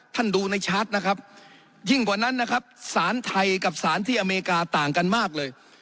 ดูในชาร์จนะครับยิ่งกว่านั้นนะครับสารไทยกับสารที่อเมริกาต่างกันมากเลย